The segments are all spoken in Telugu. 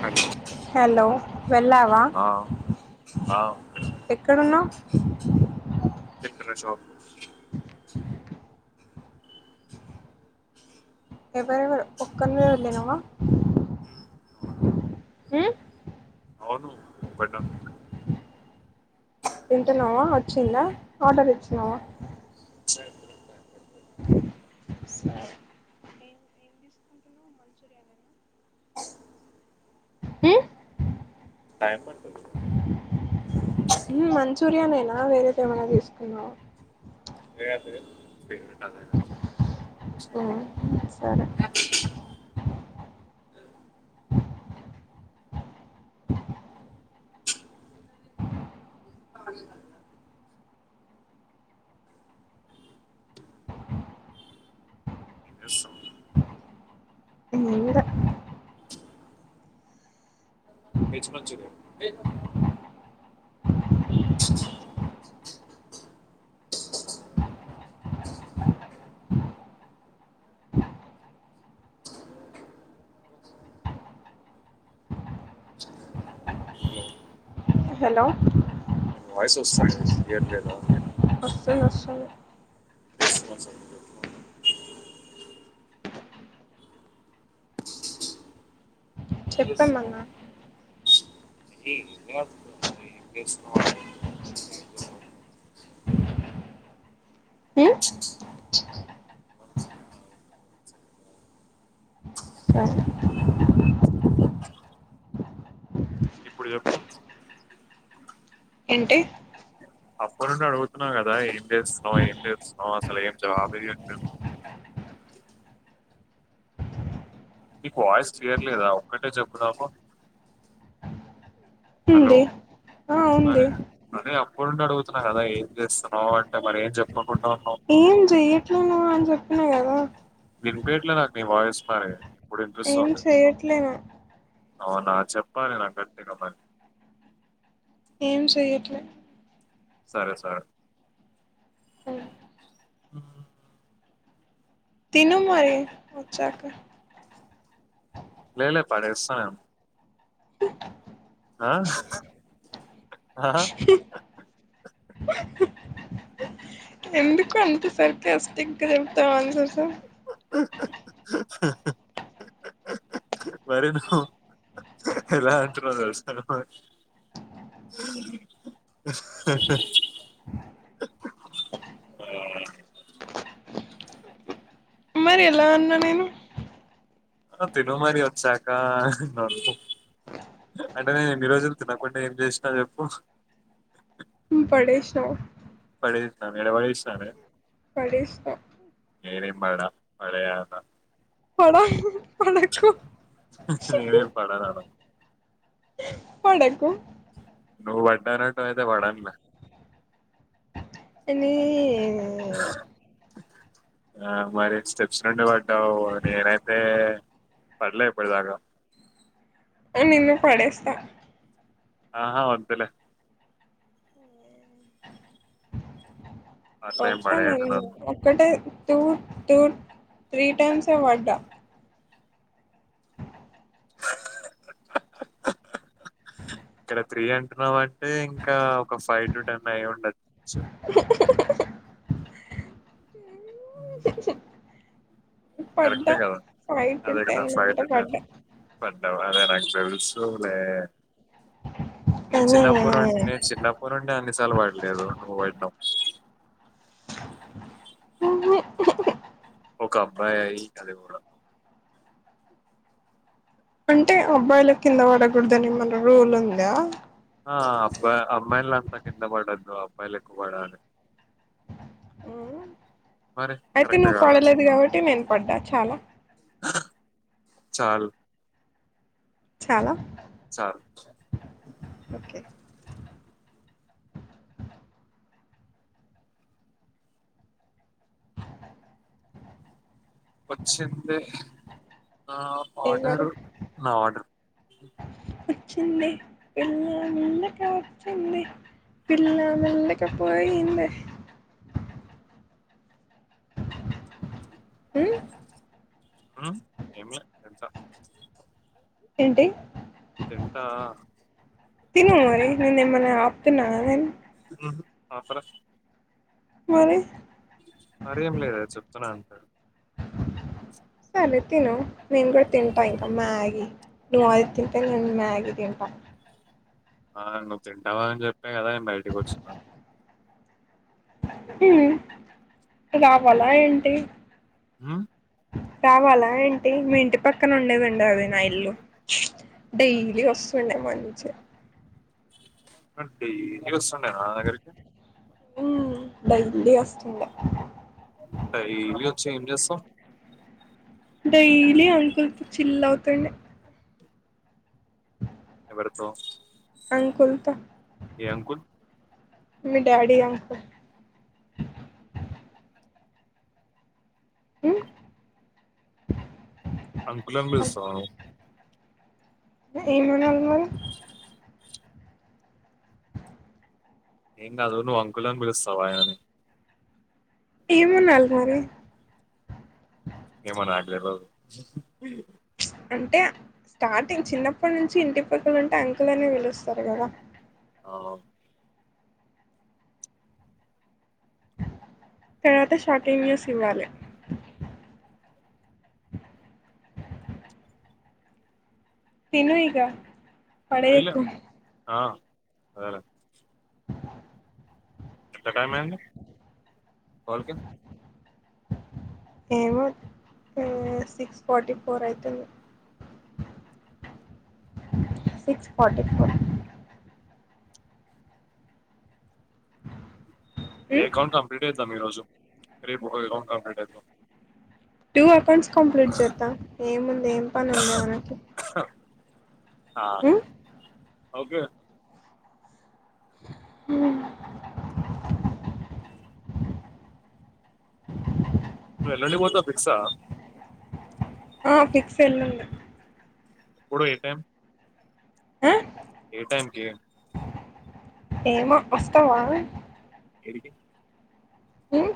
హలో హలో వెళ్ళావా ఆ, ఆ, ఎక్కడున్నావ్ తిక్కరషాప్ ఎవరు ఎవరు ఒకనివే వెళ్ళావా మ్మ్ అవును ఒకనే ఉన్న తింటున్నావా వచ్చిందా ఆర్డర్ ఇచ్చినవ సరే మంచురియా నా మ్ టైం పడతాది మ్ మంచూరియానేనా వేరేది ఏమైనా తీసుకున్నావా లే అదే [unintelligible] మ్మ్ సరే ఆ ఏం చేస్తాం ఏనుడా veg manchurian hello hello voice ఒస్తలేదు క్లియర్ లేదా నేను ఒస్తలే ఏం చేస్తున్నావు అసలు నువ్వు చెప్పు? ఏం చెప్పండి అన్న చేస్తున్నావు [unintelligible] ఉమ్, ఆగు, ఆగు. సరే ఇప్పుడు చెప్పు ఏంటి అప్పడ్ ఉండి అడుగుతున్న కదా ఎం చేస్తునవ్ ఎం చేస్తున్నావ్ అసలు ఎం జాబ్ ఏ చేయట్లే నీకు వాయిస్ క్లియర్ లేదా ఒక్కటే చెప్పు నాకు ఉంది ఆ ఉంది అప్పటినుండి అడుగుతున్న కదా ఏమి చేస్తున్నావ్ అంటే మరి ఏమి చెప్పకుండా ఉన్నావ్ ఏం చేయట్లాలేను అని చెప్పిన కదా వినుపియట్లే నాకు నీ వాయిస్ మరి ఇప్పుడు ఏం చేయట్లేను అవున చెప్పాలి నా గట్టిగా మరి ఏం చేయట్లే సరే సరే తిను మరి వచ్చక లేలే పడేస్తా నేన్ ఆ ఆ ఎందుకు అంత సర్కస్టిక్గా చెప్తావ్ ఆన్సర్స్ మరి నువ్వు ఎలా అంటునావు తెలుసా నువ్వు మరి హహహ ఆ మరి ఎలా ఉన్న నేను ఆహ్ తిను మరి వచ్చాక. అంటే నేను ఇన్ని రోజులు తినకుండా ఏం చేసినానో చెప్పు. పడేశావ్. ఏ నన్ను ఏడవడేసినవే. పడేసిన నేను ఏం పడ పడెయ్ అన్న పడా పడేయాకు నేను ఎం పడరాల పోయిండే పో. నువ్వు పడ్డానంటయితే పడాన్లే. ఎన్ని. ఆహ్ మరి స్టెప్స్ నుండి పడ్డావు నేనైతే. పడ్లే ఇప్పడిదాకా. నిన్ను పడేస్తా. ఆహా వద్దులే. అట్లా ఏం కొత్తవి పడేయకు నిన్ను నన్ను ఒక్కటే. టూ టూ త్రీ టైమ్స్ ఏ పడ్డా. ఇక్కడ త్రీ అంటున్నావంటే ఇంకా ఒక ఫైవ్ టు టెన్ అయి ఉంటది. పడ్డా కరెక్టే గదా. ఫైవ్ టు అదే గదా టెన్ ఫైవ్ అంటే టూ టైమ్స్ పడ్డా పడవ్ అదే నాకు తెలుసులే. నేను కానీ చిన్నప్పుడు నుం నేను చిన్నప్పటి నుండి అన్నిసార్లు పడలేదు నువ్వు వాడినవ్. ఒక అబ్బాయి అది కూడా. అంటే అబ్బాయిలకు కింద పడకూడదని ఏమైనా రూల్ ఉందా. ఆహ్ అబ్బాయి అమ్మాయిల అంతా కింద పడొద్దు అబ్బాయిలు ఎక్కువ పడాలి. మరి అయితే కరెక్ట్ నువ్వు కాదా పడలేదు కాబట్టి నేను పడ్డా చాలా. చాలు. చాలా. చాలు. ఓకే వచ్చిందే. నా ఎవరు ఆడర్ నా ఆర్డర్. చిన్నాయ్ ఎన్ని ఉన్నాక వచ్చిందే. పిల్ల మెల్లగా పోయిందే. ఉమ్. ఉమ్ ఏమలే పిలిచా. ఏంటి. తింటా. తినై మరి నేనేమైన్నా ఆప్తున్నాన నేను. ఉహ్మ్ ఆపలేవు. మరి. మరేం లేదే చెప్తున్నా అంతే. సరే తిను నేను కూడా తింటా ఇంకా మ్యాగి నువ్ అది తింటే నేను మ్యాగి తింటా. ఆహ్ నువ్వు తింటావనే చేప్పే కదా నేను బయటికి వచ్చిన. ఉమ్ రావాలా ఏంటి. ఉమ్ కావలా ఏంటి మీ ఇంటి పక్కన ఉండేదండి అది నా ఇల్లు డైలీ వస్ ఉండె మంచిగ డైలి వస్తుండేనా నా దగరికి ఉమ్ బర్త్డే వస్తుందా. [unintelligible] ఓచ్చేయ్ ఏం జేస్తవ్. డైలీ అంకుల్తో చిల్లావుతుండే. [unintelligible] రెథోమ్ అనుకుంట ఏ అంకుల్ మీ డాడీ అంకుల్ ఉమ్ అంకుల్ అని పిలుస్తవ నువ్ ఏం అనాలి మరి ఏం గాదు నువ్ అంకుల్ లని బిలుస్తవా ఆయనని ఏమనాల్ మరి ఏమో నాక్ తెల్వదు ఉహు హూ అంటే స్టార్టింగ్ చిన్నప్పడ్నుంచి ఇంటి పక్కపక్కనుంటే అంకులనే విలుస్తరు గద అవ్ తర్వాత షాకింగ్ న్యూస్ ఇవ్వాలె తిను ఇగ లేదులే పడేయకు ఆ అదెలె ఎంత టైమయింది కాల్కి ఏమో ఆ సిక్స్ ఫార్టీ ఫోర్ ఐతుంది సిక్స్ ఫార్టీ ఫోర్ ఈ ఎకౌంట్ కంప్లీట్ చేద్దాం ఈరోజు రేప్ ఇంకో ఎకౌంట్ కంప్లీట్ చేద్దాం టూ ఎకౌంట్స్ కంప్లీట్ జేద్దాం ఏముంది ఏం పనుంది మనకి ఆ ఒకే ఉమ్ ఇప్పుడు ఎల్లుండి పోతె ఫిక్స్ ఆ ఆ ఫిక్స్ ఎల్లుండె ఎప్పుడు ఏ టైమ్ అ ఏ టైమ్కి ఏమో వస్తావా? ఏడికి ఉమ్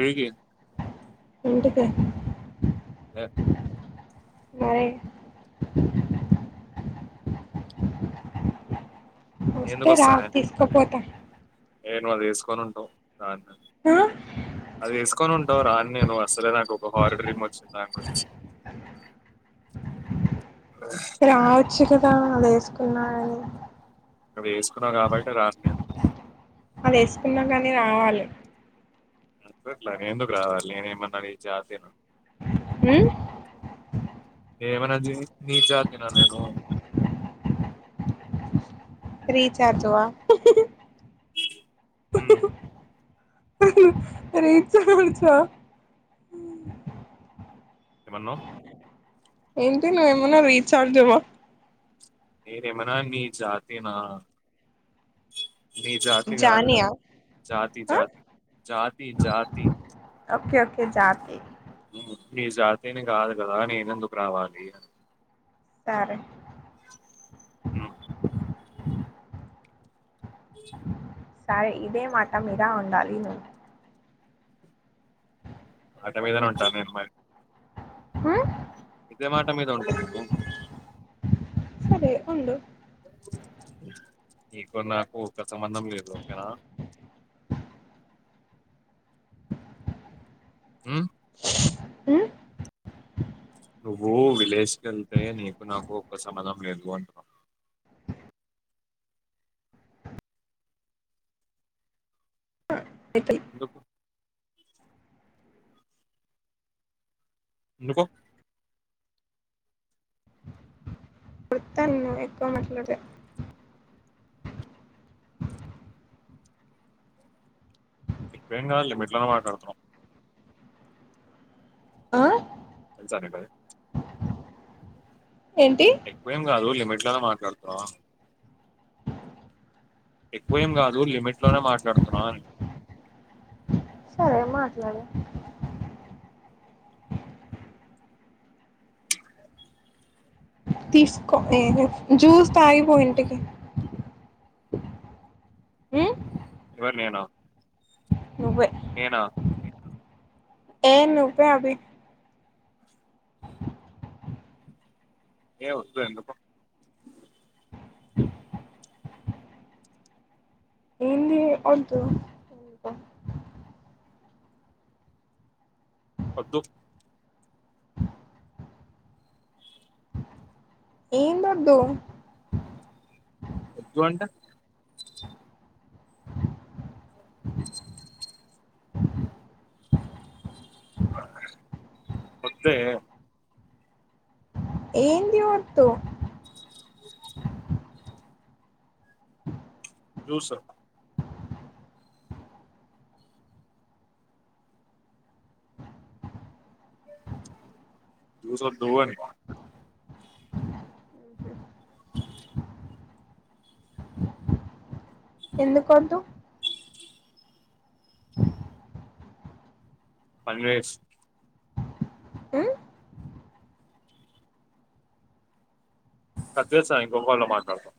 ఏడికి ఇంటికి లె వై ఒస్తే రా ఎందుకొస్తాది తీస్కపోత ఏ నువ్ అది ఏస్కోని ఉంటవ్ రాన్నేన్ ఆ అదేస్కోనుంటవ్ రాన్నేను అస్సలే నాకు ఒక హారర్ డ్రీమ్ ఒచ్చింది దాని గురించి రావోచ్చు కదా అదేస్కున్నా గాని అది ఎస్కున్నావ్ కాబట్టే రాన్నేన్ అదేస్కున్నా గనీ రావాలి. ఎందుకట్లా నేనెందుకు రావాలి నేనుమన్నా నీ జాతినా. ఉమ్ నేనేమన్నా జీనీ నీ జాతినా నేను రీచార్జ్వా హి హ్ హి ఉమ్ ఉహ్ రీచార్జ్ హా ఆ ఏమన్నవ్? ఏంటి నువ్ ఏమన్నవ్ రీచార్జ్ మో ఏదేమనా నీ జతీనా? నీ జాతి కాదుగద జానియా జాతి ఆ జాతి జాతి జాతి ఓకే ఓకే జాతి హ్మ్ నీ జాతిని కాదు గదా నేనెందుకు రావాలి. సరే ఉ సరే ఇదే మాట మీద ఉండాలి ను అడ్డ మీదనే ఉంటా నేన్ మరి మ్ ఇదె మాట మీద ఉంట అన్కొ సరే ఉండు నీకు నాకు ఒక సంబంధం లేదు ఓకేనా ఉ ఉ నువ్వు విలేజ్కేళ్తే నీకు, నాకు ఒక్క సంబంధం లేద్ పొ అంటున అ ఎందుకు ఎందుకు వృత్తాన్ను ఎక్కువ మాట్లాదె నీ బేంగాల్ మెట్లాగ మాటడ్తున్నావ్? ఆ సరేనా ఏంటి ఎక్కువేం కాదు లిమిట్ లనే మాట్లాడ్తునావ అన్ ఎక్కువేం కాదు లిమిట్ లనే మాట్లాడ్తున్నావ అన్ సరే మాట్లాడు తీస్కో ఎ జూస్ తాగిపో ఇంటికి మ్ ఎవర్ నేనా నువ్వే నేనా ఏ నువ్వే అభి ఏ ఒద్దులే ఎందుకు ఏందింది ఒద్దు ఒద్దు ఏందోద్దు ఎద్దు అంటే? ఒద్దే ఏన్ది వద్దు జూస జూసొద్దు అని ఎందుకోద్దు ఫైవ్ మినిట్స్ ఉమ్ కట్చెస్త ఇంకో ఫోన్ల మాట్లాడ్తా